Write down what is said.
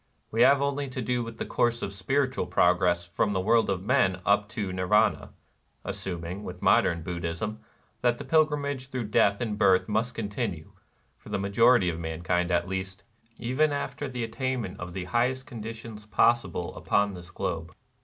We have only to do with the course of spirit ual progress from the world of men up to Nirvana, — assuming, with modern Buddhism, that the pilgrimage through death and birth must continue, for the majority of mankind at least, even after the attainment of the highest conditions possible upon this globe.